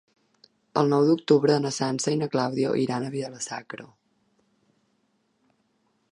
El nou d'octubre na Sança i na Clàudia iran a Vila-sacra.